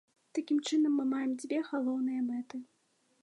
Такім чынам, мы маем дзве галоўныя мэты.